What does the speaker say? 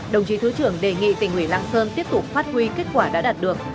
đồng chí thứ trưởng đề nghị tỉnh ủy lạng sơn tiếp tục phát huy kết quả đã đạt được